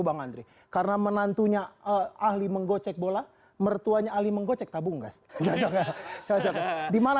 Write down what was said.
bang andri karena menantunya ahli menggocek bola mertuanya ali menggocek tabunggas dimana